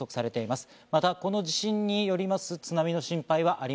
またこの地震によります